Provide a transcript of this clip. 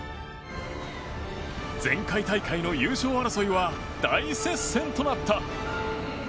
前回大会の優勝争いは大接戦となった。